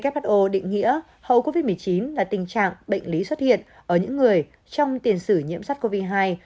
who định nghĩa hậu covid một mươi chín là tình trạng bệnh lý xuất hiện ở những người trong tiền sử nhiễm sars cov hai